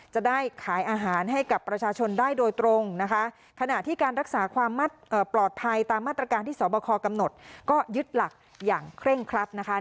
จะได้ขายอาหารให้กับประชาชนได้โดยตรงนะคะขณะที่การรักษาความปลอดภัยตามมาตรการที่สอบคอกำหนดก็ยึดหลักอย่างเคร่งครัดนะคะ